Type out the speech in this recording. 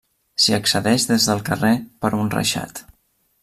S'hi accedeix des del carrer per un reixat.